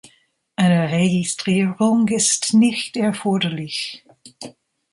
Eine Registrierung ist nicht erforderlich.